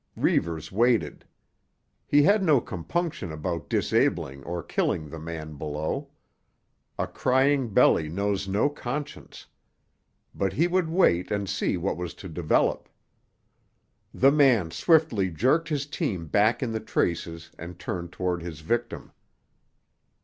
Reivers waited. He had no compunction about disabling or killing the man below; a crying belly knows no conscience. But he would wait and see what was to develop. The man swiftly jerked his team back in the traces and turned toward his victim.